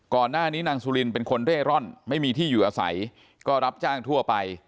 นางสุลินเป็นคนเร่ร่อนไม่มีที่อยู่อาศัยก็รับจ้างทั่วไป